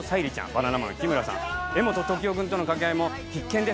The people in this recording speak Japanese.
バナナマンの日村さん柄本時生くんとの掛け合いも必見です